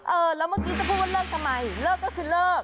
เออแล้วเมื่อกี้จะพูดว่าเลิกทำไมเลิกก็คือเลิก